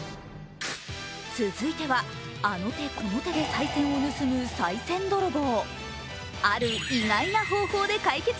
続いてはあの手この手でさい銭を盗むさい銭泥棒。